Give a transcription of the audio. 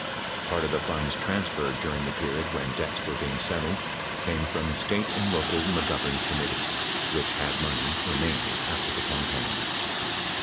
Part of the funds transferred during the period when debts were being settled came: from State and local McGovern com mittees, which had money remaining after the campaign.